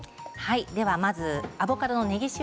まずアボカドのねぎ塩